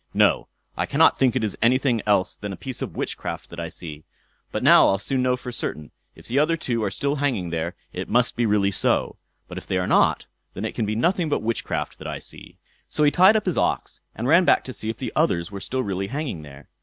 No! I cannot think it is anything else than a piece of witchcraft that I see. But now I'll soon know for certain; if the other two are still hanging there, it must be really so; but if they are not, then it can be nothing but witchcraft that I see." So he tied up his ox, and ran back to see if the others were still really hanging there.